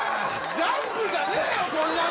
ジャンプじゃねえよ、こんなの。